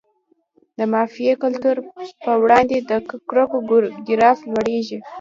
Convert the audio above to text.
د مافیایي کلتور په وړاندې د کرکو ګراف لوړیږي.